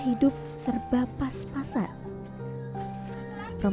irma saki apa progres